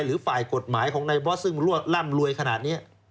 หรือฝ่ายกฎหมายของนายบอสซึ่งรวดร่ำรวยขนาดนี้